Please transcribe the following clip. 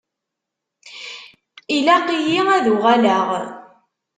Ilaq-iyi ad uɣaleɣ.